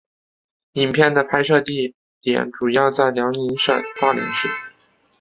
影片的拍摄地点主要在辽宁省大连市。